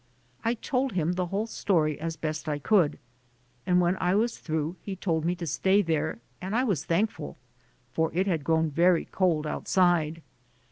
I told him the whole story as best I could, and when I was through he told me to stay there and I was thankful, for it had grown very cold outside.